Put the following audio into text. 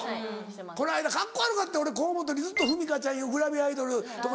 この間カッコ悪かった俺河本にずっと「ふみかちゃんいうグラビアアイドルんとこ